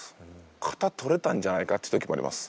肩とれたんじゃないかって時もあります。